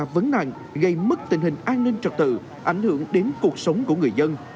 vấn nạn gây mất tình hình an ninh trật tự ảnh hưởng đến cuộc sống của người dân